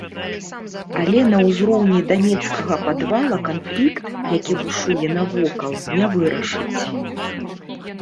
Але на ўзроўні данецкага падвала канфлікт, які бушуе навокал, не вырашыць.